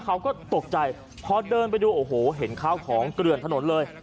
เขาก็ตกใจพอเดินไปดูโอ้โหเห็นข้าวของเกลือนถนนเลย